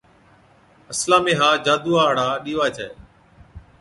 اصلا ۾ ها جادُوئا هاڙا ڏِيوا ڇَي۔